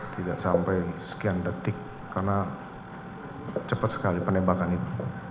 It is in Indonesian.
tidak sampai sekian detik karena cepat sekali penembakan itu